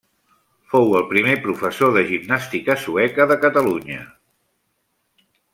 Fou el primer professor de gimnàstica sueca de Catalunya.